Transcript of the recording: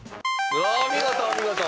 お見事お見事。